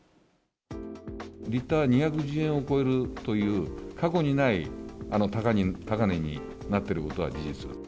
リッター２１０円を超えるという、過去にない高値になってることは事実。